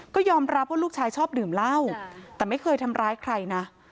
ก็ยอมรับว่าลูกชายชอบดื่มเหล้าแต่ไม่เคยทำร้ายใครนะ